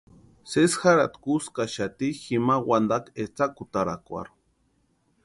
Sesi jarhati kuskaxati jima wantakwa etsakutarakwarhu.